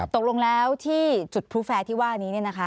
ตกลงแล้วจุดผู้แฟร์ที่ว่านี้